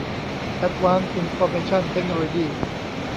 แอ็ดวานซ์ อินฟอร์เมชั่น เทคโนโลยี